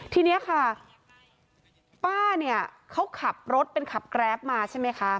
ทีนี้ค่ะป้าเนี่ยเขาขับรถเป็นขับแกรปมาใช่ไหมคะ